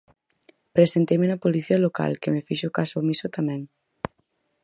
Presenteime na Policía Local, que me fixo caso omiso tamén.